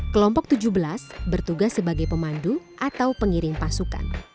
kelompok tujuh belas bertugas sebagai pemandu atau pengiring pasukan